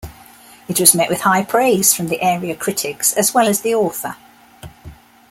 It was met with high praise from area critics as well as the author.